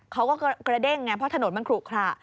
เขาก็กระเด้งไงเพราะถนนมันขลุขระ